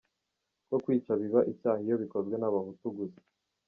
Ko kwica biba icyaha iyo bikozwe n’abahutu gusa.